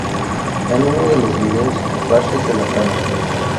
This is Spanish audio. En uno de los videos, flashes de la cámara.